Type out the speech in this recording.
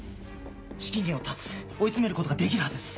資金源を断つ追い詰めることができるはずです。